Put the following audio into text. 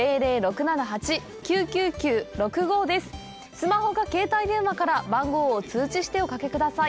スマホか携帯電話から番号を通知しておかけください。